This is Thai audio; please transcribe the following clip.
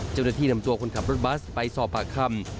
เจ้าหน้าที่นำตัวคนขับรถบัสไปสอบปากคำ